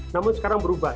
namun sekarang berubah